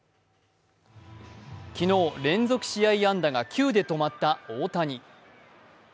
昨日、連続試合安打が９で止まった大谷。